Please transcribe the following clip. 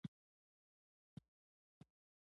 کله چې تاسو یو گل خوښوئ